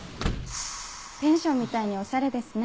ペンションみたいにオシャレですね。